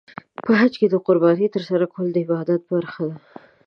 په حج کې د قربانۍ ترسره کول د عبادت برخه ده.